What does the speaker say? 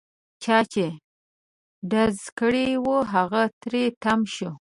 چا چې ډز کړی وو هغه تري تم شو.